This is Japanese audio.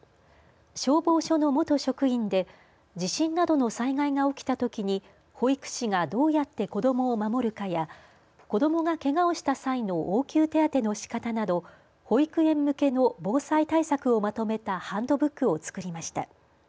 消防署の元職員で地震などの災害が起きたときに保育士がどうやって子どもを守るかや子どもが、けがをした際の応急手当ての仕方など保育園向けの防災対策をまとめたハンドブックをつくりました。